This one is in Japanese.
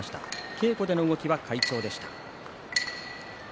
稽古での動きは快調でした。